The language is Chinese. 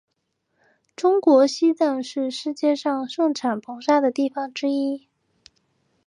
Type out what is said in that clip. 中国西藏是世界上盛产硼砂的地方之一。